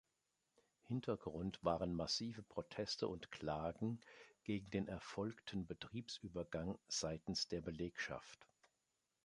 Hintergrund waren massive Proteste und Klagen gegen den erfolgten Betriebsübergang seitens der Belegschaft.